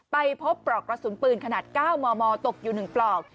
ไปพบปลอกกระสุนปืนขนาด๙มมตกอยู่๑ปลอก